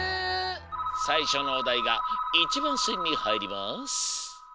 さいしょのおだいが１ばんせんにはいります。